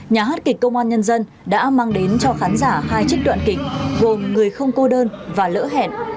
nhà hát kịch công an nhân dân đã mang đến cho khán giả hai trích đoạn kịch gồm người không cô đơn và lỡ hẹn